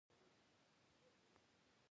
نو باید داسې موارد د اعتراض لپاره وټاکل شي.